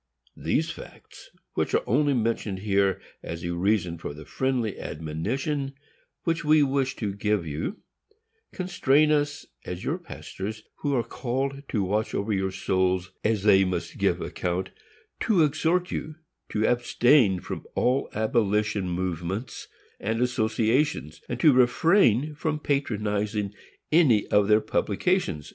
These facts, which are only mentioned here as a reason for the friendly admonition which we wish to give you, constrain us, as your pastors, who are called to watch over your souls as they must give account, to exhort you to abstain from all abolition movements and associations, and to refrain from patronizing any of their publications, &c.